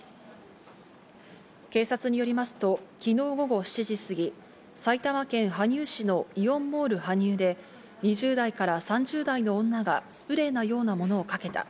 警察によりますと昨日午後７時過ぎ、埼玉県羽生市のイオンモール羽生で２０代から３０代の女がスプレーのようなものをかけた。